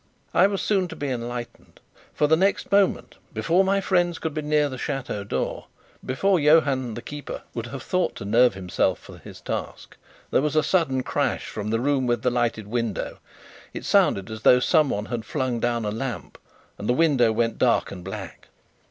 I was soon to be enlightened, for the next moment before my friends could be near the chateau door before Johann the keeper would have thought to nerve himself for his task there was a sudden crash from the room with the lighted window. It sounded as though someone had flung down a lamp; and the window went dark and black.